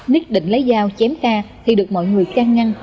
ních định lấy dao chém kha thì được mọi người can ngăn